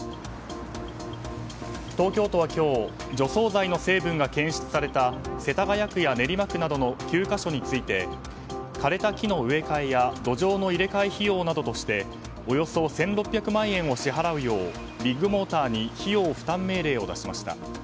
東京都は今日除草剤の成分が検出された世田谷区や練馬区などの９か所について枯れた木の植え替えや土壌の入れ替え費用などとしておよそ１６００万円を支払うようビッグモーターに費用負担命令を出しました。